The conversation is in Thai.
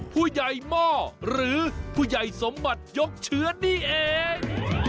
ผู้ใหญ่หม้อหรือผู้ใหญ่สมบัติยกเชื้อนี่เอง